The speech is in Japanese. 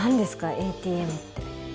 ＡＴＭって。